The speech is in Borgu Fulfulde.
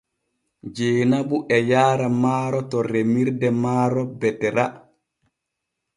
Jeenabu e yaara maaro to remirde maaro Betera.